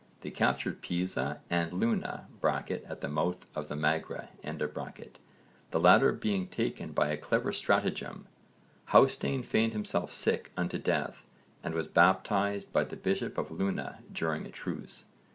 They captured Pisa and Luna (at the mouth of the Magra), the latter being taken by a clever stratagem. Hásteinn feigned himself sick unto death and was baptised by the bishop of Luna during a truce.